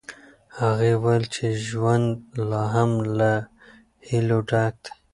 هغې وویل چې ژوند لا هم له هیلو ډک دی.